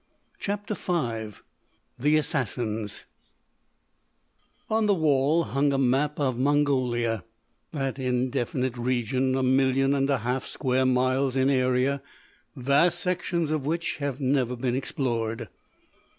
CHAPTER V THE ASSASSINS On the wall hung a map of Mongolia, that indefinite region a million and a half square miles in area, vast sections of which have never been explored.